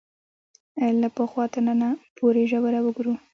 له پخوا تر ننه پورې ژوره وګورو